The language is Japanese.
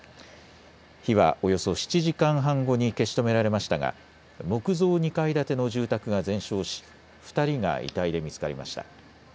火はおよそ７時間半後に消し止められましたが木造２階建ての住宅が全焼し２人が遺体で見つかりました。